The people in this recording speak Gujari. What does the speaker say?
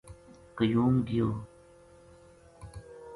قیوم گیو